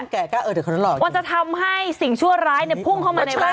เขาบอกว่าว่าจะทำให้สิ่งชั่วร้ายเนี่ยพุ่งเข้ามาในบ้าน